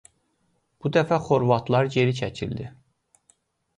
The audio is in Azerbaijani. Bu dəfə xorvatlar geri çəkildi.